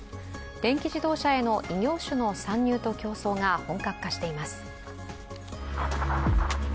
電気自動車への異業種の参入と競争が本格化しています。